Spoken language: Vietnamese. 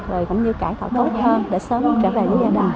rồi cũng như cải tạo tốt hơn để sớm trở về với gia đình